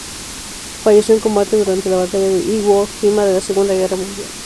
Falleció en combate durante la Batalla de Iwo Jima de la Segunda Guerra Mundial.